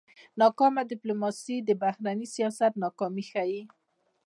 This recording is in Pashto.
ناکامه ډيپلوماسي د بهرني سیاست ناکامي ښيي.